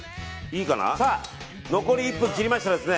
残り１分切りましたですね。